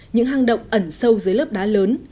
những hang động ẩn sâu dưới lớp đá lớn